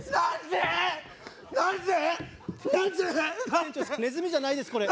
店長ネズミじゃないですこれ。